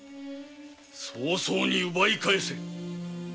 早急に奪い返せ！